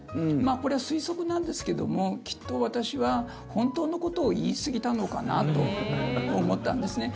これは推測なんですけどもきっと私は本当のことを言いすぎたのかなと思ったんですね。